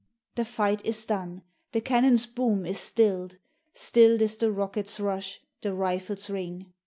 The fight is done: the cannon's boom is stilled; Stilled is the rocket's rush, the rifle's ring.